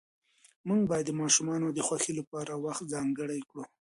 موږ باید د ماشومانو د خوښۍ لپاره وخت ځانګړی کړو